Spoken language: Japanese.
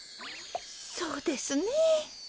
そうですね。